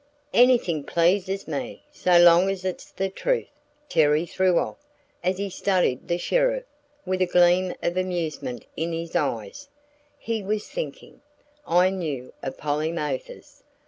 "Anything pleases me, so long as it's the truth," Terry threw off, as he studied the sheriff, with a gleam of amusement in his eyes; he was thinking, I knew, of Polly Mathers.